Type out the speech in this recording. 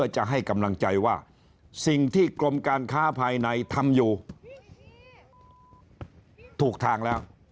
จะให้กำลังใจว่าสิ่งที่กรมการค้าภายในทำอยู่ถูกทางแล้ว